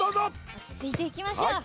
おちついていきましょう。